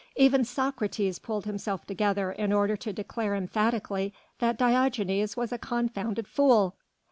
Even Socrates pulled himself together in order to declare emphatically that Diogenes was a confounded fool.